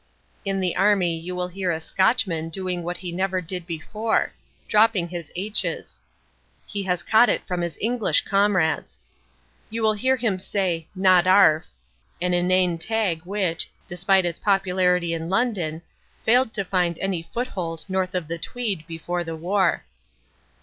In the army you will hear a Scotchman doing what he never did before dropping his aitches. He has caught it from his English comrades. You will hear him say "Not 'arf" an inane tag which, despite its popularity in London, failed to find any foothold north of the Tweed before the war.